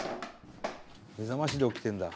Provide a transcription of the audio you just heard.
目覚ましで起きてるんだ。